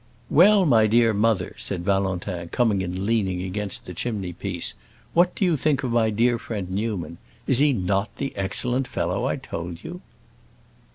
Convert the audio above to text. "Well, my dear mother," said Valentin, coming and leaning against the chimney piece, "what do you think of my dear friend Newman? Is he not the excellent fellow I told you?"